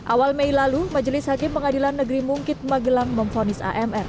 awal mei lalu majelis hakim pengadilan negeri mungkit magelang memfonis amr